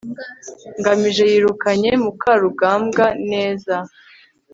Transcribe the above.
ngamije yirukanye mukarugambwa neza